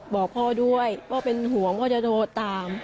บอกพ่อด้วยพ่อเป็นห่วงว่าจะโทรตาม